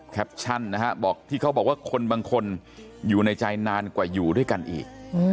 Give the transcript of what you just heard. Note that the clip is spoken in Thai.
แคปชั่นนะฮะบอกที่เขาบอกว่าคนบางคนอยู่ในใจนานกว่าอยู่ด้วยกันอีก